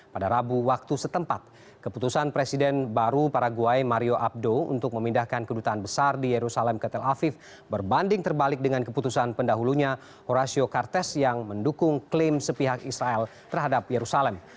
pada rabu waktu setempat keputusan presiden baru paraguay mario abdo untuk memindahkan kedutaan besar di yerusalem ke tel aviv berbanding terbalik dengan keputusan pendahulunya orasio kartes yang mendukung klaim sepihak israel terhadap yerusalem